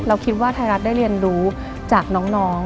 คิดว่าไทยรัฐได้เรียนรู้จากน้อง